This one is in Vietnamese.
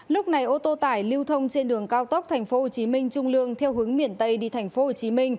lúc này ô tô tải lưu thông trên đường cao tốc tp hcm trung lương theo hướng miền tây đi tp hcm